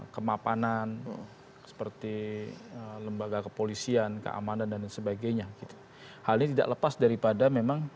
kemapanan seperti lembaga kepolisian keamanan dan sebagainya hal ini tidak lepas daripada memang